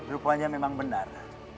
rupanya memang benar